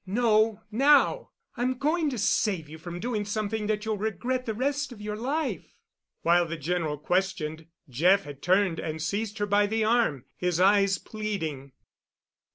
"No, now. I'm going to save you from doing something that you'll regret the rest of your life." While the General questioned, Jeff had turned and seized her by the arm, his eyes pleading.